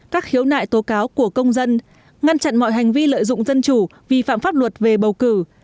các khiếu nại tố cáo của công dân ngăn chặn mọi hành vi lợi dụng dân chủ vi phạm pháp luật về bầu cử